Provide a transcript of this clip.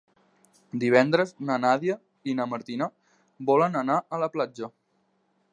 Divendres na Nàdia i na Martina volen anar a la platja.